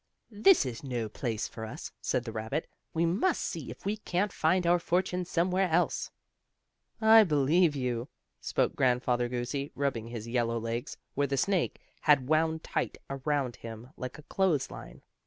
"This is no place for us," said the rabbit. "We must see if we can't find our fortune somewhere else." "I believe you," spoke Grandfather Goosey, rubbing his yellow legs, where the snake had wound tight around him like a clothesline.